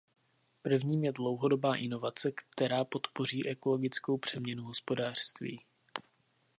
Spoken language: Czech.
Prvním je dlouhodobá inovace, která podpoří ekologickou přeměnu hospodářství.